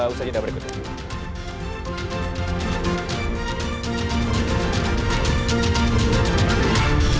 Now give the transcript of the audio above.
usaha ijeda berikutnya